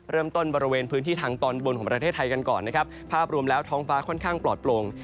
บริเวณพื้นที่ทางตอนบนของประเทศไทยกันก่อนนะครับภาพรวมแล้วท้องฟ้าค่อนข้างปลอดโปร่ง